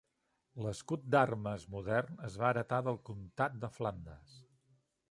L'escut d'armes modern es va heretar del comtat de Flandes.